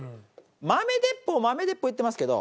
豆鉄砲豆鉄砲言ってますけど。